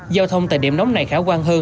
giao thông tại điểm nóng này khả quan hơn